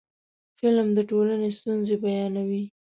فلم د ټولنې ستونزې بیانوي